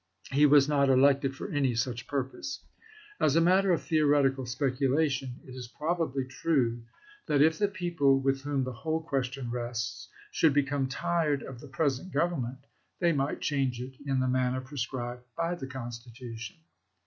He was not elected for any such purpose. As a matter of theoretical speculation it is probably true, that if the people, with whom the whole ques tion rests, should become tired of the present feSbnai Government, they might change it in the manner prescribed by the Constitution."